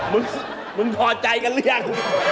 มึงมึงพอใจกันหรือยัง